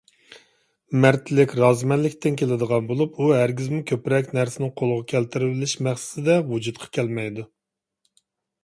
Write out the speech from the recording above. مەردلىك رازىمەنلىكتىن كېلىدىغان بولۇپ، ئۇ ھەرگىزمۇ كۆپرەك نەرسىنى قولغا كەلتۈرۈۋېلىش مەقسىتىدە ۋۇجۇدقا كەلمەيدۇ.